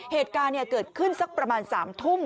เหตุการณ์เกิดขึ้นสักประมาณ๓ทุ่ม